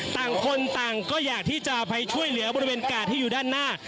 ต่างคนต่างก็อยากที่จะไปช่วยเหลือบริเวณกาดที่อยู่ด้านหน้า